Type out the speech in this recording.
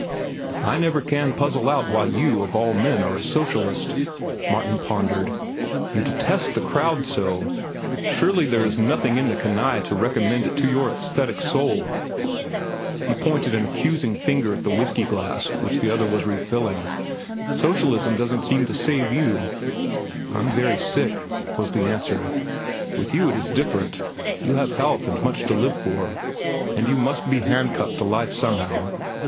"I never can puzzle out why you, of all men, are a socialist," Martin pondered. "You detest the crowd so. Surely there is nothing in the canaille to recommend it to your aesthetic soul." He pointed an accusing finger at the whiskey glass which the other was refilling. "Socialism doesn't seem to save you." "I'm very sick," was the answer. "With you it is different. You have health and much to live for, and you must be handcuffed to life somehow.